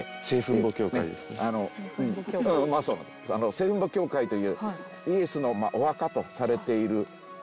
聖墳墓教会というイエスのお墓とされている所。